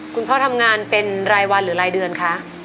คุณพ่อทำงานเป็นรายวันหรือรายเดือนคะ